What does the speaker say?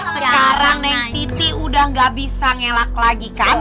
sekarang neng siti udah nggak bisa ngelak lagi kan